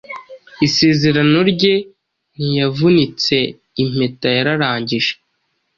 Isezerano rye ntiyavunitseimpeta yararangije